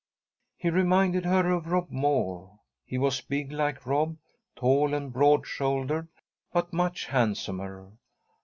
He reminded her of Rob Moore. He was big like Rob, tall and broad shouldered, but much handsomer.